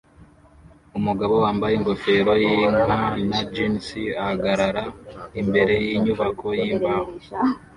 Umugabo wambaye ingofero yinka na jans ahagarara imbere yinyubako yimbaho